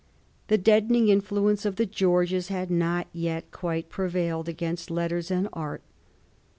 The deadening influence of the Greorges had not yet quite prevailed agamst letters and art.